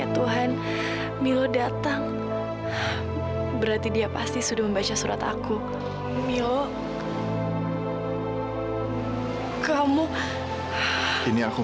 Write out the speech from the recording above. sampai jumpa di video selanjutnya